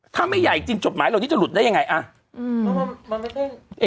ถ้าไม่ใหญ่จริงจบหมายเราที่จะหลุดได้ยังไงอ่าอืมมันไม่เป็น